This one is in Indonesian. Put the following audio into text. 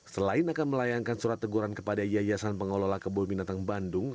selain akan melayangkan surat teguran kepada yayasan pengelola kebun binatang bandung